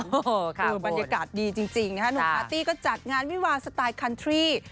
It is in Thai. คือบรรยากาศดีจริงนะฮะหนุ่มคาร์ตี้ก็จัดงานวิวาสไตล์คันทรี่